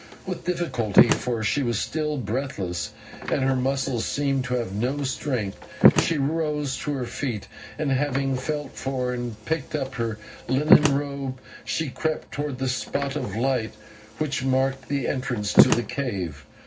Then with difficulty, for she was still breathless, and her muscles seemed to have no strength, she rose to her feet, and having felt for and picked up her linen robe, she crept towards the spot of light which marked the entrance to the cave.